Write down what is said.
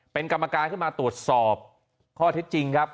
เป็นกรรมการขึ้นมาตรวจสอบข้อเท็จจริงครับ